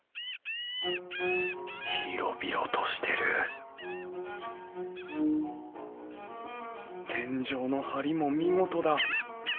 広々としてる天井の梁も見事だ！